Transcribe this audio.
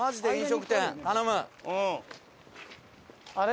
あれ？